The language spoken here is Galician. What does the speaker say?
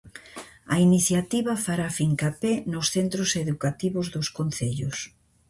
A iniciativa fará fincapé nos centros educativos dos concellos.